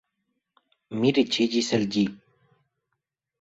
Mi riĉiĝis el ĝi.